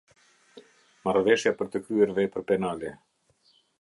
Marrëveshja për të kryer vepër penale.